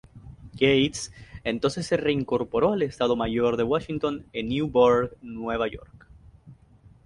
Gates entonces se reincorporó al Estado Mayor de Washington en Newburgh, Nueva York.